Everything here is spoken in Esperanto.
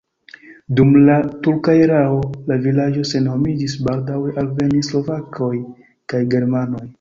Dum la turka erao la vilaĝo senhomiĝis, baldaŭe alvenis slovakoj kaj germanoj.